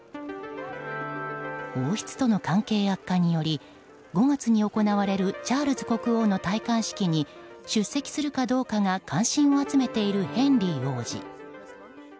王室との関係悪化により５月に行われるチャールズ国王の戴冠式に出席するかどうかが関心を集めているヘンリー王子。